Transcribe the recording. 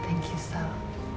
terima kasih sal